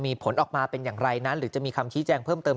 มีผลออกมาเป็นอย่างไรนั้นหรือจะมีคำชี้แจงเพิ่มเติม